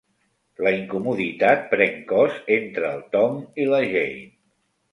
La incomoditat pren cos entre el Tom i la Jane.